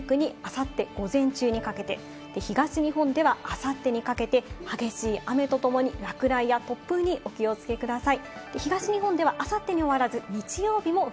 西日本では、あすをピークに、あさって午前中にかけて、東日本ではあさってにかけて激しい雨とともに落雷や突風にお気をつけください。